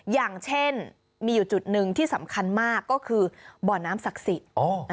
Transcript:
อย่างเช่นมีอยู่จุดหนึ่งที่สำคัญมากก็คือบ่อน้ำศักดิ์สิทธิ์